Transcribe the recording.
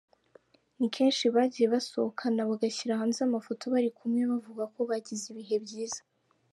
Ni kenshi bagiye basohokana bagashyira hanze amafoto bari kumwe bavuga ko bagize ibihe byiza.